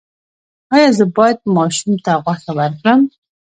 ایا زه باید ماشوم ته غوښه ورکړم؟